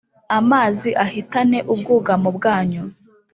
amazi ahitane ubwugamo bwanyu.